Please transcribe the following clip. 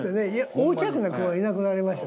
横着な子がいなくなりました。